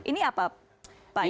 ini apa pak ian